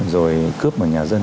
rồi cướp nhà dân